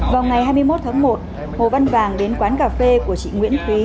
vào ngày hai mươi một tháng một hồ văn vàng đến quán cà phê của chị nguyễn thúy